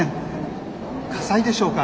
火災でしょうか？